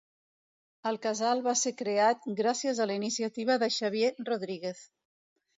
El casal va ser creat gràcies a la iniciativa de Xavier Rodríguez.